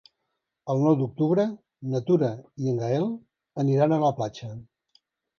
El nou d'octubre na Tura i en Gaël aniran a la platja.